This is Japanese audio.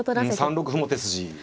３六歩も手筋。